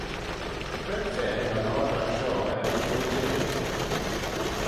Cre'n fa va'n oardagh shoh er ny phointeil?